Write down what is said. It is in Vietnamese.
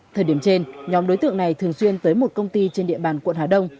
thời điểm trên nhóm đối tượng này thường xuyên tới một công ty trên địa bàn quận hà đông